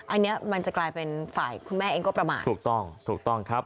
อันนี้มันจะกลายเป็นฝ่ายคุณแม่เองก็ประมาทถูกต้องถูกต้องครับ